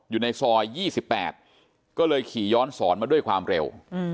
อยู่ในซอย๒๘ก็เลยขี่ย้อนสอนมาด้วยความเร็ว